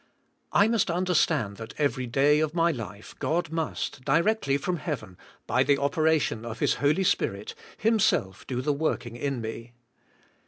I must understand that every day of my life God must, directly from heaven, by the operation of His Holy Spirit, Himself do the working in me.